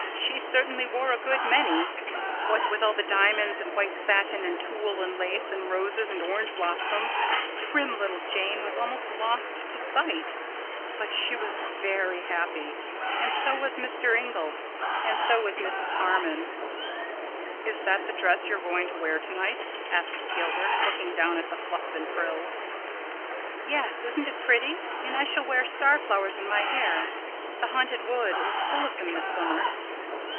"She certainly wore a good many. What with all the diamonds and white satin and tulle and lace and roses and orange blossoms, prim little Jane was almost lost to sight. But she was very happy, and so was Mr. Inglis—and so was Mrs. Harmon." "Is that the dress you're going to wear tonight?" asked Gilbert, looking down at the fluffs and frills. "Yes. Isn't it pretty? And I shall wear starflowers in my hair. The Haunted Wood is full of them this summer."